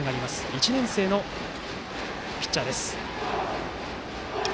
１年生のピッチャーです。